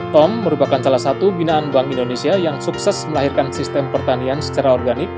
tom merupakan salah satu binaan bank indonesia yang sukses melahirkan sistem pertanian secara organik